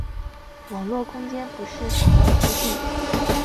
网络空间不是“法外之地”。